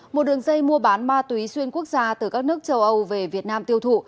một đường dây mua bán ma túy xuyên quốc gia từ các nước châu âu về việt nam tiêu thụ